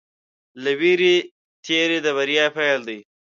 له وېرې تېری د بریا پيل دی.